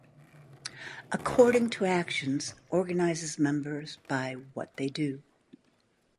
"According to actions" organizes members by what they do.